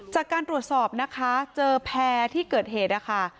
จากการตรวจสอบนะคะเจอแพร่ที่เกิดเหตุนะคะ